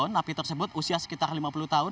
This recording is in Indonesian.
napi tersebut usia sekitar lima puluh tahun